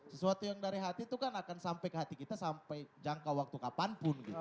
sesuatu yang dari hati itu kan akan sampai ke hati kita sampai jangka waktu kapanpun gitu